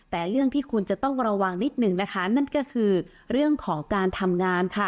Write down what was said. แต่เรื่องที่คุณจะต้องระวังนิดหนึ่งนะคะนั่นก็คือเรื่องของการทำงานค่ะ